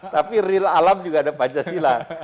tapi real alam juga ada pancasila